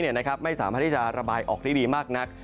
ไม่สามารถที่จะระบายออกได้ดีมากนัก